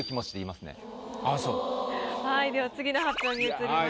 はいでは次の発表に移ります。